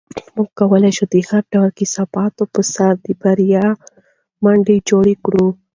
موږ کولی شو د هر ډول کثافاتو په سر د بریا ماڼۍ جوړه کړو.